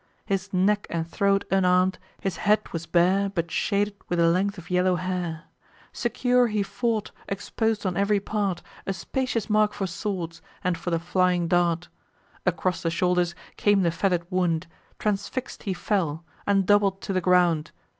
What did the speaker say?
His neck and throat unarm'd, his head was bare, But shaded with a length of yellow hair: Secure, he fought, expos'd on ev'ry part, A spacious mark for swords, and for the flying dart. Across the shoulders came the feather'd wound; Transfix'd he fell, and doubled to the ground.